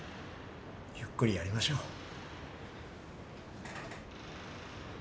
ゆっくりやりましょう。